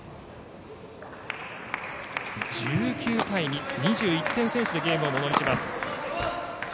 １９対２、２１点先取でゲームをものにします。